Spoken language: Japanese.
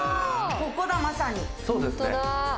ここだ、まさに。